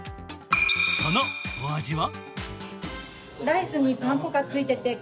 そのお味は？